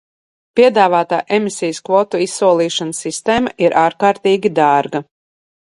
Piedāvātā emisijas kvotu izsolīšanas sistēma ir ārkārtīgi dārga.